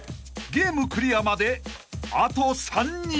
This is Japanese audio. ［ゲームクリアまであと３人］